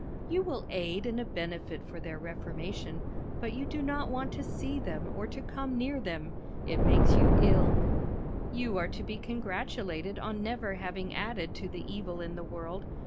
You will aid in a benefit for their reformation, but you do not want to see them or to come near them. It makes you ill. You are to be congratulated on never having added to the evil in the world.